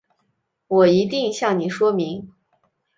我一定向你说明